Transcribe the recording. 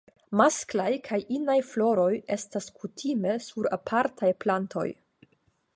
Masklaj kaj inaj floroj estas kutime sur apartaj plantoj.